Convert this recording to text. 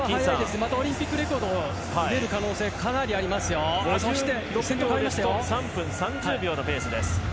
またオリンピックレコードが出る可能性が３分３０秒のペースです。